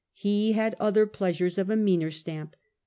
He had other pleasures of a meaner stamp.